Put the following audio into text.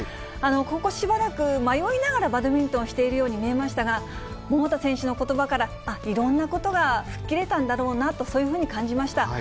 ここしばらく迷いながらバドミントンしているように見えましたが、桃田選手のことばから、あっ、いろんなことが吹っ切れたんだろうなと、そういうふうに感じました。